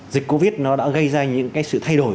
dịch covid nó đã gây ra những cái sự thay đổi